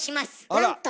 なんと！